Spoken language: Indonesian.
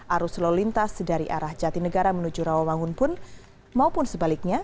arus lalu lintas dari arah jatinegara menuju rawamangun pun maupun sebaliknya